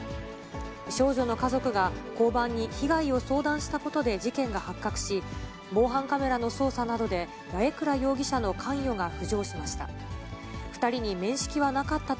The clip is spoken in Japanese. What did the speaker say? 少女の家族が交番に被害を相談したことで事件が発覚し、防犯カメラの捜査などで八重倉容疑者の関与が浮上しました。